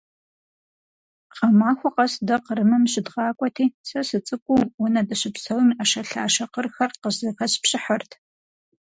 Гъэмахуэ къэс дэ Кърымым щыдгъакӏуэрти, сэ сыцӏыкӏуу, унэ дыщыпсэум и ӏэшэлъашэ къырхэр къызэхэспщыхьырт.